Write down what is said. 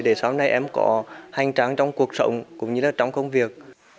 để sau này em có hành trang trong cuộc sống cũng như là trong công việc